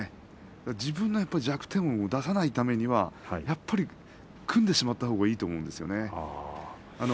自分の弱点を出さないためには、やっぱり組んでしまったほうがいいと思うんですね。